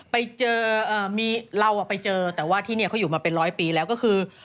ไปเจอมีเราไปเจอแต่ว่าที่นี่เขาอยู่มาเป็นร้อยปีแล้วก็คือ